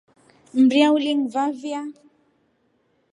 Mria ulingivavia.